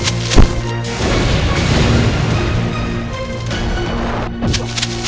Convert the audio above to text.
kau culpa aku